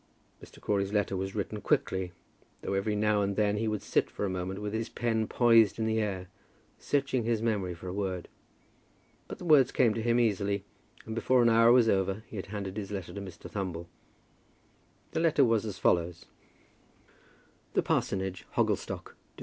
Mr. Crawley's letter was written quickly, though every now and then he would sit for a moment with his pen poised in the air, searching his memory for a word. But the words came to him easily, and before an hour was over he had handed his letter to Mr. Thumble. The letter was as follows: The Parsonage, Hogglestock, Dec.